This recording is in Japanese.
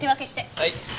はい。